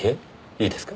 いいですか？